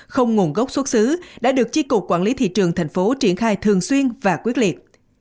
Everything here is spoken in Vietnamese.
không nguồn gốc xuất xứ đã được chi cục quản lý thị trường thành phố triển khai thường xuyên và quyết liệt